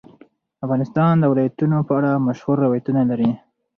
افغانستان د ولایتونو په اړه مشهور روایتونه لري.